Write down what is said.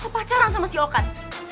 lo pacaran sama si okan